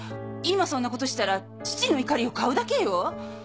今そんなことしたら父の怒りを買うだけよ！！